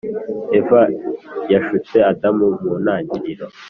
Eva yashutse adamu mu ntangiriro